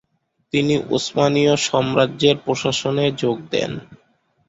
তিনি উসমানীয় সাম্রাজ্যের প্রশাসনে যোগ দেন।